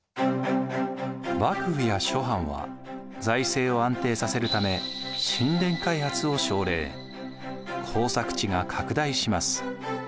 幕府や諸藩は財政を安定させるため耕作地が拡大します。